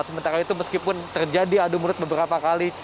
sementara itu meskipun terjadi adu mulut beberapa kali